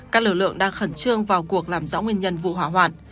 các lực lượng đang khẩn trương vào cuộc làm rõ nguyên nhân vụ hỏa hoạn